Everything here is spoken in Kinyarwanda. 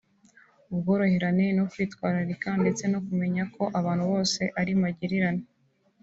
ubworoherane no kwitwararika ndetse no kumenya ko abantu bose ari magirirane